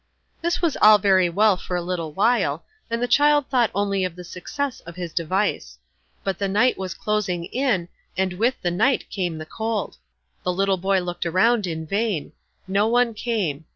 This was all very well for a little while, and the child thought only of the success of his device. But the night was closing in, and with the night came the cold. The little boy looked around in vain. No one came.